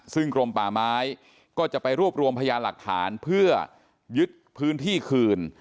ซึ่งกรมป่าไม้ก็จะไปรวบรวมพยานหลักฐานเพื่อยึดพื้นที่คืน